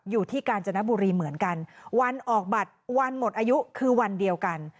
กาญจนบุรีเหมือนกันวันออกบัตรวันหมดอายุคือวันเดียวกัน